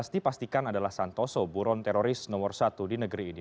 dipastikan adalah santoso buron teroris nomor satu di negeri ini